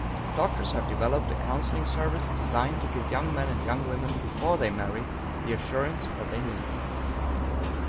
Doctors have developed a counseling service designed to give young men and young women before they marry the assurance that they need.